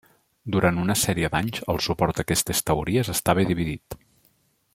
Durant una sèrie d'anys el suport a aquestes teories estava dividit.